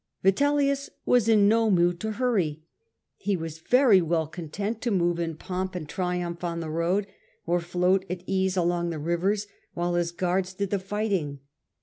Vitellius was in no mood to hurry. He was very well content to move in pomp and triumph on the road, or float at ease along the rivers, while his guards did the fighting.